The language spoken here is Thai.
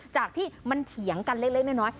จากที่มันเถียงกันเล็กน้อย